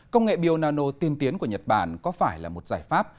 công nghệ bionano tiên tiến của nhật bản có phải là một giải pháp